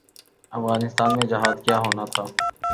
افغانستان میں جہاد کیا ہونا تھا۔